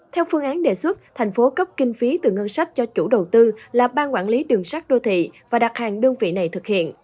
theo phương án đề xuất thành phố cấp kinh phí từ ngân sách cho chủ đầu tư là ban quản lý đường sát đô thị và đặt hàng đơn vị này thực hiện